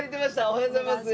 おはようございます。